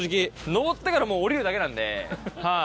上ってからもう下りるだけなんではい。